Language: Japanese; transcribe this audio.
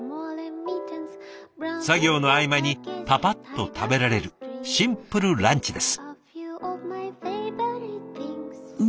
作業の合間にパパッと食べられるシンプルランチです。